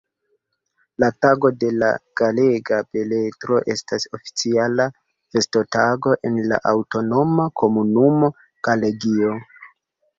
La Tago de la Galega Beletro estas oficiala festotago en la aŭtonoma komunumo Galegio.